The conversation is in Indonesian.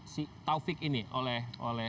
si taufik ini oleh